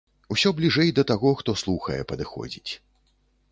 Усё бліжэй да таго, хто слухае, падыходзіць.